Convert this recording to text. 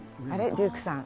デュークさん。